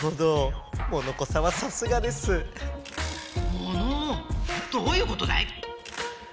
モノオどういうことだい？